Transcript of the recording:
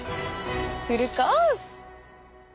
フルコース！